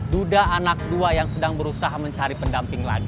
duda anak dua yang sedang berusaha mencari pendamping ladi